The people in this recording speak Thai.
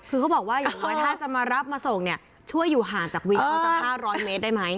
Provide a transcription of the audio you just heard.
คือเขาบอกว่าถ้าจะมารับมาส่งช่วยอยู่ห่างจากวินเขาสัก๕๐๐เมตรได้ไหม